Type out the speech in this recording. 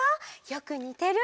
よくにてる！